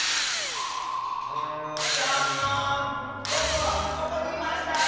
ぼくはここにいました！